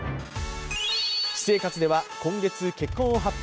私生活では今月、結婚を発表。